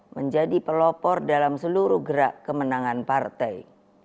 menjadi pelopor dalam seluruh gerak kemenangan partai